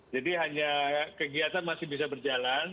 jadi hanya kegiatan masih bisa berjalan